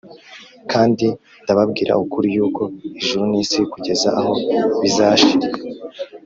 Kandi ndababwira ukuri yuko ijuru n’isi kugeza aho bizashirira